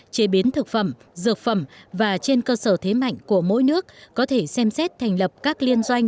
chế biến thực phẩm dược phẩm và trên cơ sở thế mạnh của mỗi nước có thể xem xét thành lập các liên doanh